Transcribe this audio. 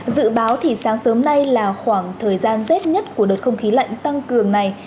dự báo thì sáng sớm nay là khoảng thời gian rét nhất của đợt không khí lạnh tăng cường này